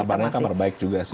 kabarnya kabar baik juga sih